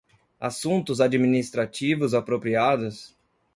Assuntos administrativos apropriados